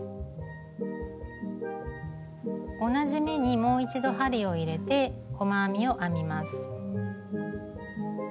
同じ目にもう一度針を入れて細編みを編みます。